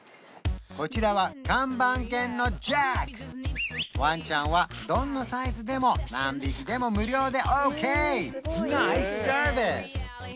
こちらはワンちゃんはどんなサイズでも何匹でも無料でオーケーナイスサービス